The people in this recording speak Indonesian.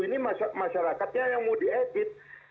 ini masyarakatnya yang mau diedit